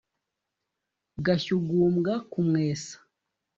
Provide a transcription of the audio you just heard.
gashyugumbwa kumwesa